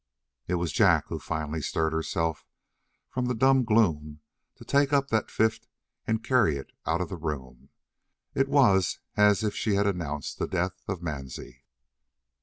It was Jack who finally stirred herself from her dumb gloom to take up that fifth and carry it out of the room. It was as if she had announced the death of Mansie.